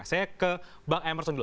saya ke bang emerson dulu